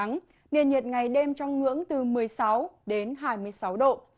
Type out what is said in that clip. trong ngày hôm nay nền nhiệt ngày đêm trong ngưỡng từ một mươi sáu đến hai mươi sáu độ